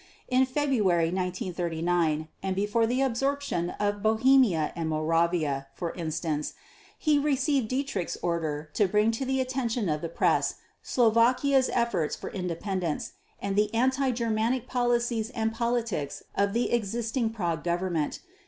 In February 1939 and before the absorption of Bohemia and Moravia, for instance, he received Dietrich's order to bring to the attention of the press Slovakia's efforts for independence, and the anti Germanic policies and politics of the existing Prague Government.